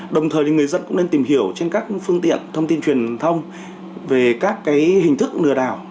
đồng thời người dân cũng nên tìm hiểu trên các phương tiện thông tin truyền thông về các hình thức lừa đảo